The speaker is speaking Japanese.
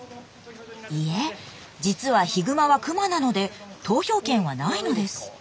いえ実はヒグマは熊なので投票権はないのです